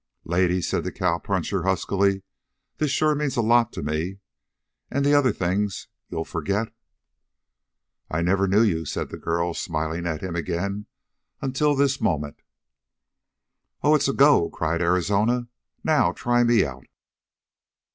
"Lady," said the cowpuncher huskily, "this sure means a lot to me. And the other things you'll forget?" "I never knew you," said the girl, smiling at him again, "until this moment." "Oh, it's a go!" cried Arizona. "Now try me out!"